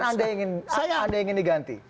anda yang ingin diganti